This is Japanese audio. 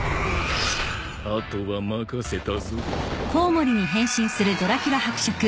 あとは任せたぞ。